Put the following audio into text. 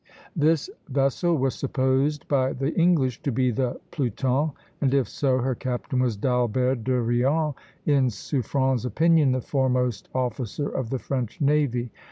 This vessel was supposed by the English to be the "Pluton," and if so, her captain was D'Albert de Rions, in Suffren's opinion the foremost officer of the French navy.